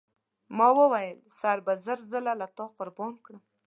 ما وویل سر به زه زر ځله تر تا قربان کړم.